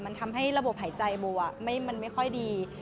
มันทำให้ระบบหายใจโบมันไม่ค่อยดี